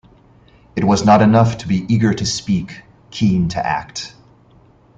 It was not enough to be eager to speak, keen to act.